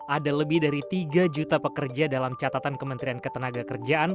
ada lebih dari tiga juta pekerja dalam catatan kementerian ketenaga kerjaan